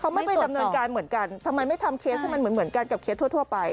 เขาไม่ไปดำเนินการเหมือนกันทำไมไม่ทำเคสให้มันเหมือนกันกับเคสทั่วไป